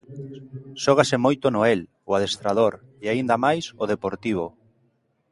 Xógase moito Noel, o adestrador, e aínda máis o Deportivo.